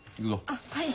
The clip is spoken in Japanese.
あっはい。